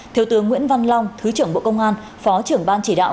thiếu tướng nguyễn văn long thứ trưởng bộ công an phó trưởng ban chỉ đạo